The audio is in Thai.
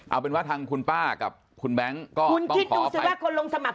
เอาเป็นว่าทางคุณป้ากับคุณแบงค์ก็คิดดูสิว่าคนลงสมัคร